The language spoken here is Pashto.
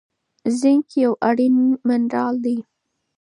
زینک یو اړین منرال دی.